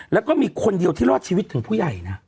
แล้วก็มีคนเดียวที่รอดชีวิตถึงผู้ใหญ่นะ